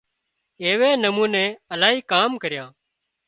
ايوي نموني الاهي ڪام ڪريان